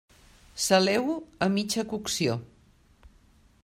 Saleu-ho a mitja cocció.